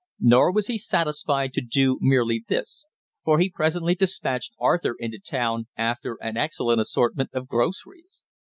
Nor was he satisfied to do merely this, for he presently despatched Arthur into town after an excellent assortment of groceries.